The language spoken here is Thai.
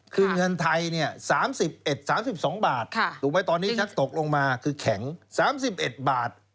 คือเงินไทย๓๑๓๒บาทถูกไหมตอนนี้ชักตกลงมาคือแข็ง๓๑บาท